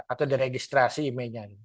atau diregistrasi imei nya